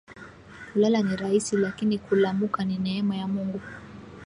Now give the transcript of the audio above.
Kulala ni raisi lakini kulamuka ni neema ya Mungu